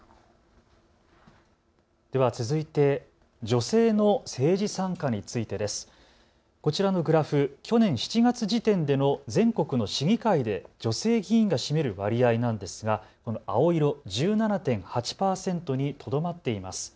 では続いて女性の政治参加についてです。こちらのグラフ、去年７月時点での全国の市議会で女性議員が占める割合なんですがこの青色、１７．８％にとどまっています。